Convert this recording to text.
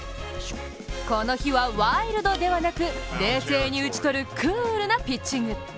この日はワイルドではなく冷静に打ちとるクールなピッチング。